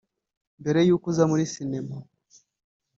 mbere y’uko uza muri sinema